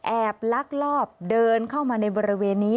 ลักลอบเดินเข้ามาในบริเวณนี้